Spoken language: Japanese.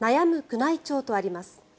宮内庁とあります。